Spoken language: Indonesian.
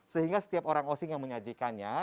sehingga setiap orang osing yang menyajikannya